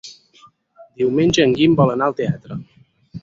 Diumenge en Guim vol anar al teatre.